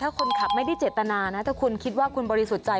ถ้าคนขับไม่ได้เจตนานะถ้าคุณคิดว่าคุณบริสุทธิ์ใจ